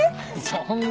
そんな。